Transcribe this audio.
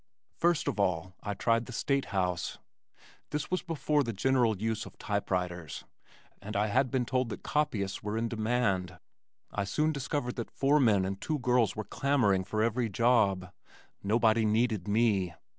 First of all I tried The State House. This was before the general use of typewriters and I had been told that copyists were in demand. I soon discovered that four men and two girls were clamoring for every job. Nobody needed me.